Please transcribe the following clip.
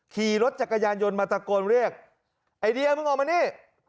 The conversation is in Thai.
ขี่รถจักรยานยนต์มาตะโกนเรียกไอเดียมึงออกมานี่